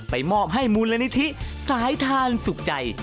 มอบให้มูลนิธิสายทานสุขใจ